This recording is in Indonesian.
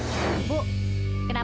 ada yang mengalahkan aku